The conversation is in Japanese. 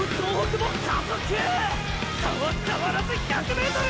差は変わらず１００ｍ！！